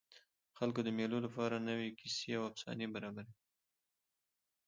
خلک د مېلو له پاره نوي کیسې او افسانې برابروي.